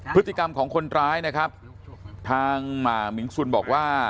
พฤติกรรมของคนร้ายนะครับทางมิงสุนบอกว่า